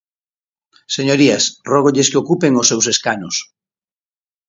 Señorías, rógolles que ocupen os seus escanos.